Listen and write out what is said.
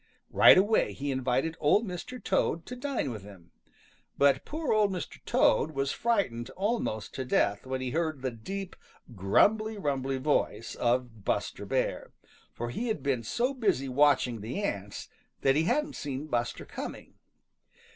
Right away he invited Old Mr. Toad to dine with him. But poor Old Mr. Toad was frightened almost to death when he heard the deep, grumbly rumbly voice of Buster Bear, for he had been so busy watching the ants that he hadn't seen Buster coming.